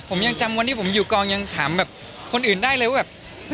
ผมยังจำวันที่ผมอยู่กองยังถามแบบคนอื่นได้เลยว่าแบบ